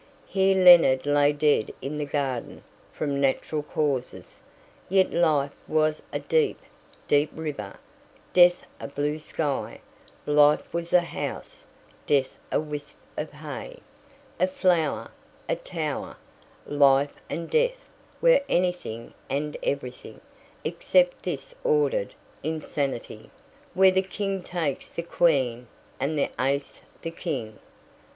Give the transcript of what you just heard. Here Leonard lay dead in the garden, from natural causes; yet life was a deep, deep river, death a blue sky, life was a house, death a wisp of hay, a flower, a tower, life and death were anything and everything, except this ordered insanity, where the king takes the queen, and the ace the king.